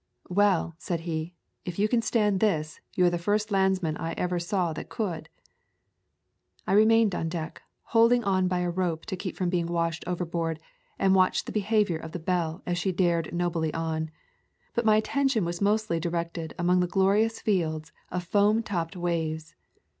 "Well," said he, "if you can stand this, you are the first landsman I ever saw that could." I remained on deck, holding on by a rope to keep from being washed overboard, and watched the behavior of the Belle as she dared nobly on; but my attention was mostly directed among the glorious fields of foam topped waves.